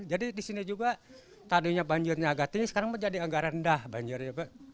jadi di sini juga tadinya banjirnya agak tinggi sekarang menjadi agak rendah banjirnya